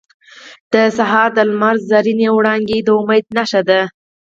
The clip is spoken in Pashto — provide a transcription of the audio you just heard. • د سهار د لمر زرینې وړانګې د امید نښه ده.